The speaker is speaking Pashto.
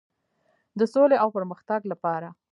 د سولې او پرمختګ لپاره.